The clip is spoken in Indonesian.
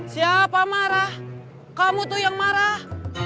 siapa marah kamu tuh yang marah